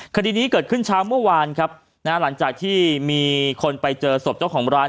คดีนี้เกิดขึ้นเช้าเมื่อวานครับนะฮะหลังจากที่มีคนไปเจอศพเจ้าของร้าน